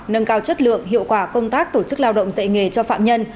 nâng cao chất lượng hiệu quả công tác tổ chức lao động dạy nghề cho phạm nhân